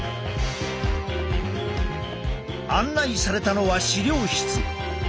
案内されたのは資料室。